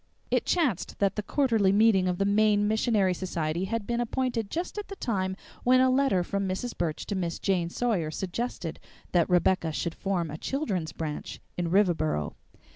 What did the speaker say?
It chanced that the quarterly meeting of the Maine Missionary Society had been appointed just at the time when a letter from Mrs. Burch to Miss Jane Sawyer suggested that Rebecca should form a children's branch in Riverboro.